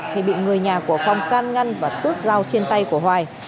thì bị người nhà của phong can ngăn và tước dao trên tay của hoài